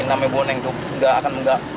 ini namanya boneng tuh gak akan menggak